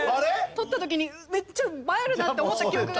撮った時にめっちゃ映えるなと思った記憶があるので。